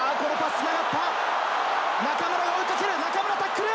中村が追いかける、中村のタックル。